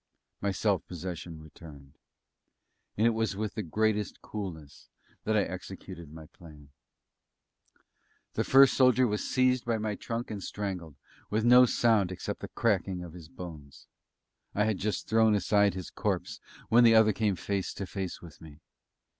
My self possession returned; and it was with the greatest coolness that I executed my plan. The first soldier was seized by my trunk and strangled, with no sound except the cracking of his bones. I had just thrown aside his corpse when the other came face to face with me.